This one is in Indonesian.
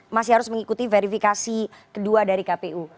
masih harus mengikuti verifikasi kedua dari kpu